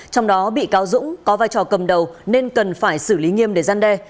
trong đó bị cáo dũng có vai trò cầm đầu nên cần phải xử lý nghiêm để gian đe